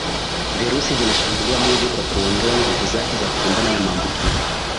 virusi vinashambulia mwili kwa kuondoa nguvu zake za kupambana na maambukizi